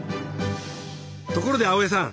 ところで青江さん